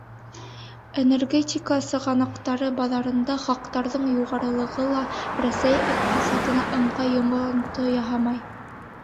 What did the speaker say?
Энергетика сығанаҡтары баҙарында хаҡтарҙың юғарылығы ла Рәсәй иҡтисадына ыңғай йоғонто яһамай.